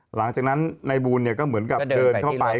หลังจากนั้นนายบูลก็เหมือนกับเดินเข้าไป